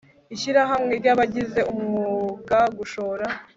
ishyirahamwe ry abagize umwuga gushora